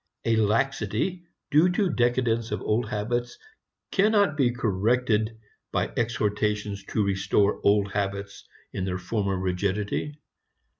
A laxity due to decadence of old habits cannot be corrected by exhortations to restore old habits in their former rigidity.